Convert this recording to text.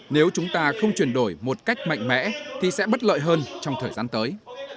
nếu chúng ta không chuyển đổi một cách mạnh mẽ thì sẽ bất lợi hơn trong thời gian tới